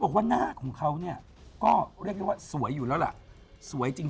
บอกว่าหน้าของเขาเนี่ยก็เรียกได้ว่าสวยอยู่แล้วล่ะสวยจริง